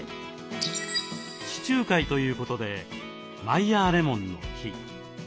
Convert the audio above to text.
地中海ということでマイヤーレモンの木。